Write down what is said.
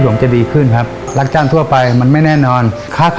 ยังเหลือเวลาทำไส้กรอกล่วงได้เยอะเลยลูก